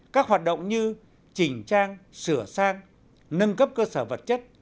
các hoạt động như chỉnh trang sửa sang nâng cấp cơ sở vật chất